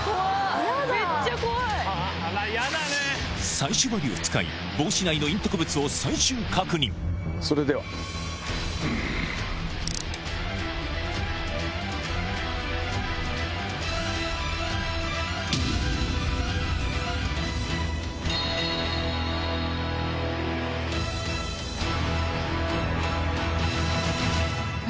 採取針を使い帽子内の隠匿物を最終確認何？